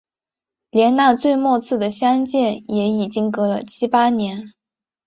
连那最末次的相见也已经隔了七八年